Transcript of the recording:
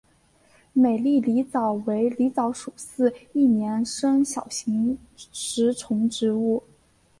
美丽狸藻为狸藻属似一年生小型食虫植物。